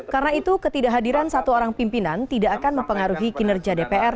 karena itu ketidakhadiran satu orang pimpinan tidak akan mempengaruhi kinerja dpr